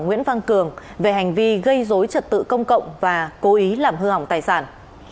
nguyễn văn cường về hành vi gây dối trật tự công cộng và cố ý làm hư hỏng tài sản